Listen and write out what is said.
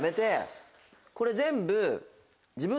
これ全部。